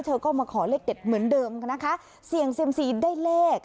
เธอก็มาขอเลขเด็ดเหมือนเดิมนะคะเสี่ยงเซียมซีได้เลข